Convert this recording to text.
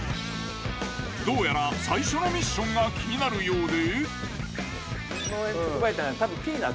どうやら最初のミッションが気になるようで。